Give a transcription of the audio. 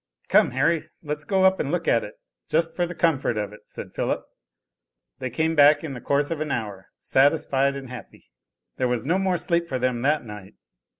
"Come Harry, let's go up and look at it, just for the comfort of it," said Philip. They came back in the course of an hour, satisfied and happy. There was no more sleep for them that night.